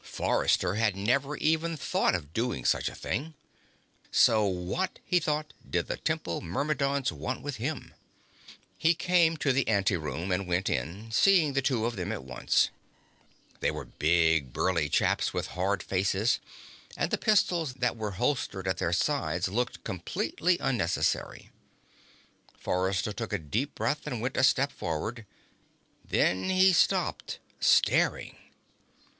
Forrester had never even thought of doing such a thing. So what, he thought, did the Temple Myrmidons want with him? He came to the anteroom and went in, seeing the two of them at once. They were big, burly chaps with hard faces, and the pistols that were holstered at their sides looked completely unnecessary. Forrester took a deep breath and went a step forward. There he stopped, staring.